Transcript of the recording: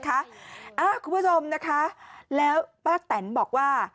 คุณผู้ชมนะคะแล้วป้าแตนบอกว่า